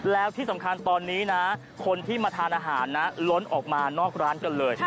แล้วที่สำคัญตอนนี้นะคนที่มาทานอาหารนะล้นออกมานอกร้านกันเลย